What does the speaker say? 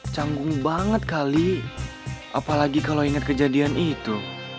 canggung banget kali apalagi kalau ingat kejadian itu